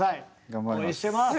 頑張ります。